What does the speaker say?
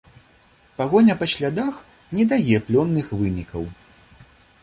Пагоня па слядах не дае плённых вынікаў.